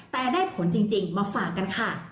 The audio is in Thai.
แต่ได้ผลจริงมาฝากกันค่ะ